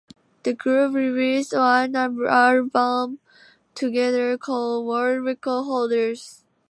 The group released one album together called "World Record Holders".